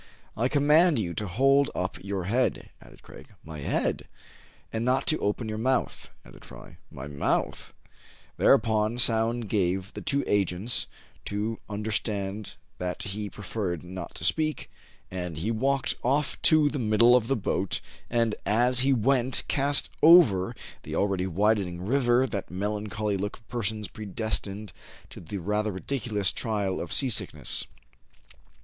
" I command you to hold up your head/' added Craig. " My head }" "And not to open your mouth," added Fry. " My mouth }" Thereupon Soun gave the two agents to under stand that he preferred not to speak ; and he walked off to the middle of the boat, and, as he went, cast over the already widening river that melancholy look of persons predestined to the rather ridiculous trial of seasickness.